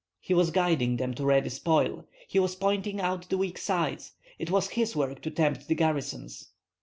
He was guiding them to ready spoil, he was pointing out the weak sides; it was his work to tempt the garrisons.